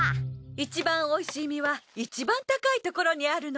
いちばんおいしい実はいちばん高いところにあるの。